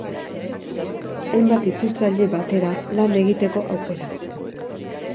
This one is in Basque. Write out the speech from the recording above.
Hainbat itzultzaile batera lan egiteko aukera.